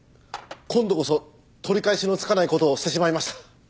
今度こそ取り返しのつかない事をしてしまいました。